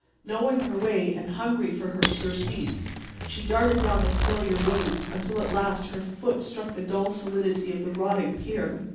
Knowing her way, and hungry for her surcease, she darted down the familiar ways until at last her feet struck the dull solidity of the rotting pier.